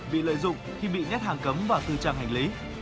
bị lợi dụng khi bị nhét hàng cấm vào tư trang hành lý